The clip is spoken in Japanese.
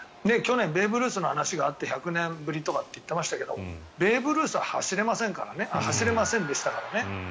去年ベーブ・ルースの話があって１００年ぶりとかって言ってましたけどベーブ・ルースは走れませんでしたからね。